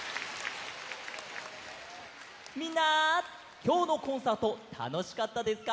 みんなきょうのコンサートたのしかったですか？